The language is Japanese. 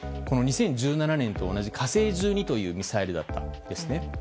この２０１７年と同じ「火星１２」というミサイルだったんです。